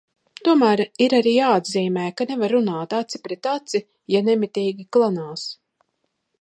Tomēr ir arī jāatzīmē, ka nevar runāt aci pret aci, ja nemitīgi klanās.